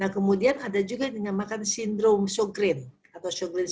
kemudian ada juga yang dinamakan sindrom sjogren